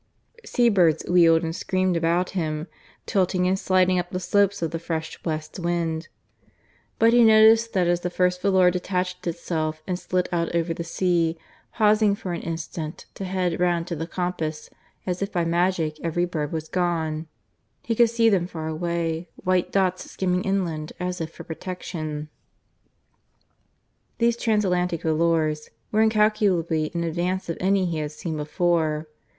Sea birds wheeled and screamed about him, tilting and sliding up the slopes of the fresh west wind; but he noticed that as the first volor detached itself and slid out over the sea, pausing for an instant to head round to the compass, as if by magic every bird was gone: he could see them far away, white dots skimming inland as if for protection. These Transatlantic volors were incalculably in advance of any he had seen before.